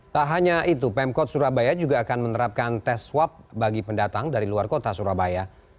tak hanya itu pemkot surabaya juga akan menerapkan tes swab bagi pendatang dari luar kota surabaya